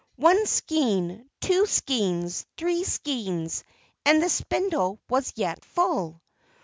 One skein! two skeins! three skeins! and the spindle was yet full!